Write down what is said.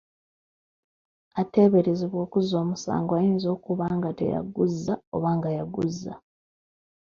Ateeberezebwa okuzza omusango ayinza okuba nga teyaguzza oba nga yaguzza.